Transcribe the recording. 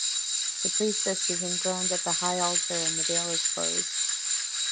The Priestess is enthroned at the High Altar and the veil is closed.